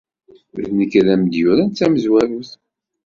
D nekk ay am-d-yuran d tamezwarut.